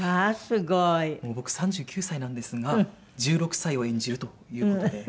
もう僕３９歳なんですが１６歳を演じるという事で。